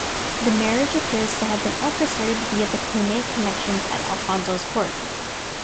The marriage appears to have been orchestrated via the Cluniac connections at Alfonso's court.